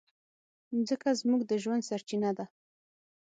مځکه زموږ د ژوند سرچینه ده.